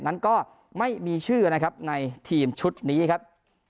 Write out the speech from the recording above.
นั้นก็ไม่มีชื่อนะครับในทีมชุดนี้ครับ